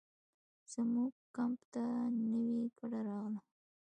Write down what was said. زموږ کمپ ته نوې کډه راغله.